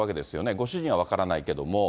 ご主人は分からないけども。